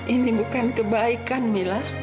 ini bukan kebaikan mila